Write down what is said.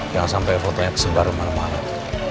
jangan sampai fotonya kesebar malem malem